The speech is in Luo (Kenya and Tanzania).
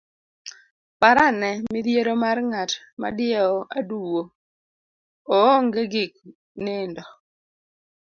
parane midhiero mar ng'at madiewo aduwo, oonge gik nindo,